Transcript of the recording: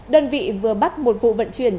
đơn vị vừa bắt một vụ vận chuyển